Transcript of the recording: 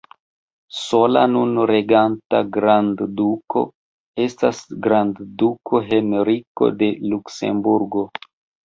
Sola nun reganta grandduko estas grandduko Henriko de Luksemburgo.